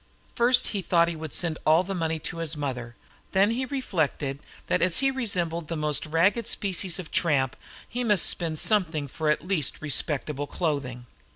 First he thought he would send all the money to his mother; then he reflected that as he resembled the most ragged species of tramp he must spend something for at least respectable clothing.